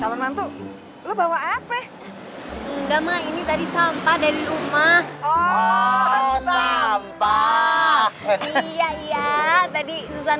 sama sama tuh lu bawa apa enggak mah ini tadi sampah dari rumah oh sampa iya iya tadi susan